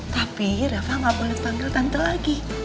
tapi reva gak boleh bangga tante lagi